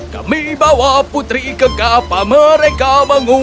kami bawa putri ke kapal mereka mengungsi